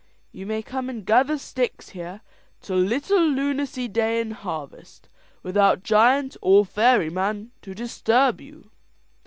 You may come and gather sticks here till little Lunacy Day in Harvest, without giant or fairy man to disturb you."